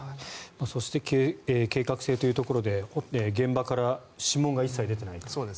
そして計画性というところで現場から指紋が一切出ていない。